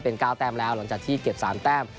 เป็น๙แต้มแล้วหลังจากที่เก็บ๓แต้ม